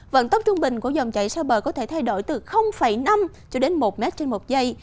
vận tốc trung bình của dòng chảy xa bờ có thể thay đổi từ năm cho đến một mét trên một giây